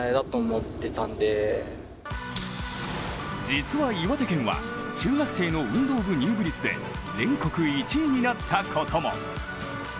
実は岩手県は中学生の運動部入部率で全国１位になったことも。